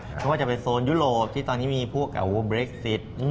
เพราะว่าจะเป็นโซนยุโรปที่ตอนนี้มีพวกเบรกซิต